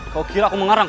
kau kira aku mengarang